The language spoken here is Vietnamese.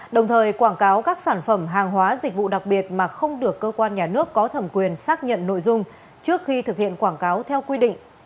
đồng thời quảng cáo các sản phẩm hàng hóa dịch vụ đặc biệt mà không được cơ quan nhà nước có thẩm quyền xác nhận nội dung trước khi thực hiện quảng cáo theo quy định